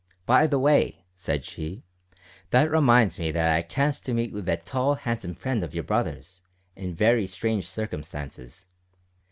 "By the way," said she, "that reminds me that I chanced to meet with that tall, handsome friend of your brother's in very strange circumstances.